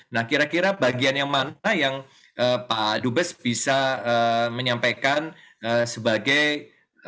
nah kira kira bagian yang mana yang pak dubes bisa menyampaikan sebagai referensi yang sebaiknya diterapkan untuk penegaan prokursi